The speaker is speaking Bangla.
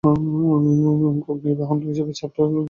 অগ্নির বাহন হিসেবে ছাগ এবং অশ্বকে দেখা যায়।